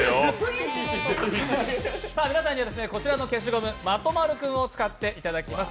皆さんには、こらちの消しゴムまとまるくんを使っていただきます。